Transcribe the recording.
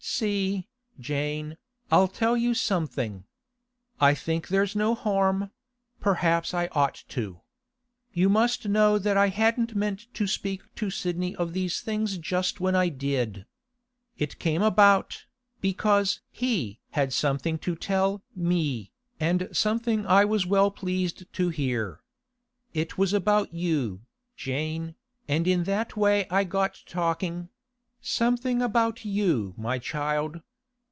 'See, Jane, I'll tell you something. I think there's no harm; perhaps I ought to. You must know that I hadn't meant to speak to Sidney of these things just when I did. It came about, because he had something to tell me, and something I was well pleased to hear. It was about you, Jane, and in that way I got talking—something about you, my child.